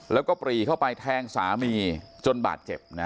แล้วก็ปรีเข้าไปแทงสามีจนบาดเจ็บนะ